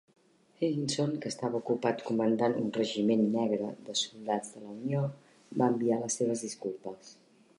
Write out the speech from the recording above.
Higginson, que estava ocupat comandant un regiment negre de soldats de la Unió, va enviar les seves disculpes.